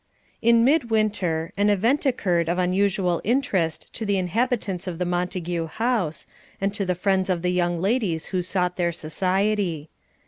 In mid winter, an event occurred of unusual interest to the inhabitants of the Montague house, and to the friends of the young ladies who sought their society.